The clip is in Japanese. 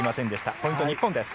ポイント、日本です。